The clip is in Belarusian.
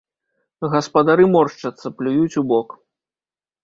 Гаспадары моршчацца, плююць убок.